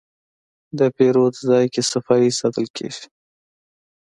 د پیرود ځای کې صفایي ساتل کېږي.